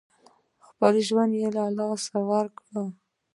خپل ژوند یې له لاسه ورکړ.